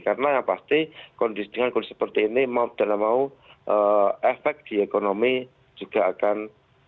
karena yang pasti dengan kondisi seperti ini mau beda beda mau efek di ekonomi juga akan berubah